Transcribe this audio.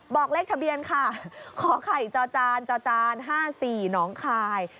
บอกเลขทะเบียนค่ะขอไข่จอจานจจาน๕๔หนองคาย